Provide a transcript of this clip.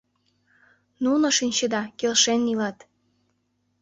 Нуно, шинчеда, келшен илат.